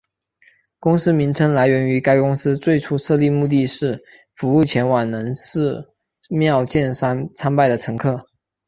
公司名称来源于该公司最初设立目的是服务前往能势妙见山参拜的乘客。